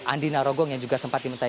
andi narogong yang juga sempat diminta